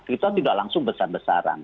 itu sudah langsung besar besaran